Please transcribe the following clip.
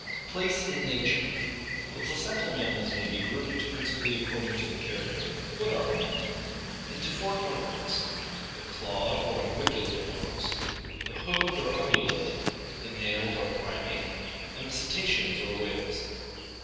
Place in Nature. — The placental mammals may be grouped, principally according to the character of their foot armament, into four cohorts: the clawed or unguiculate forms, the hoofed or un gulate, the nailed or primate, and the cetaceans or whales.